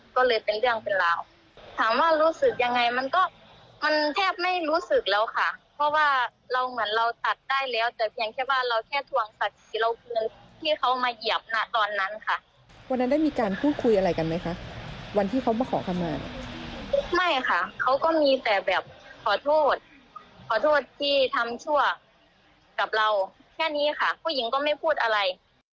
ก็มีแต่แบบขอโทษขอโทษที่ทำชั่วกับเราแค่นี้ค่ะผู้หญิงก็ไม่พูดอะไร